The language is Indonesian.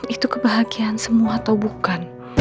itu kebahagiaan semua atau bukan